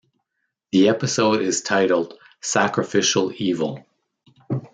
The episode is titled Sacrificial Evil.